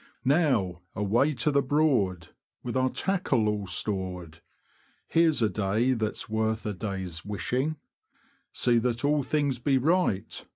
Now, away to the Broad, With our tackle all stored : Here's a day that is worth a day's wishing. See that all things be right.